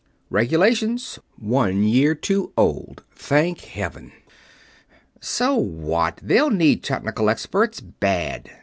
"Regulations. One year too old Thank Heaven!" "So what? They'll need technical experts, bad.